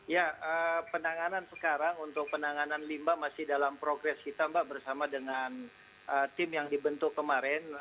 ya penanganan sekarang untuk penanganan limba masih dalam progres kita mbak bersama dengan tim yang dibentuk kemarin